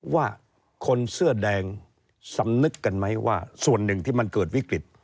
ว่าคนเสื้อแดงสำนึกกันไหมว่าส่วนหนึ่งที่มันเกิดวิกฤต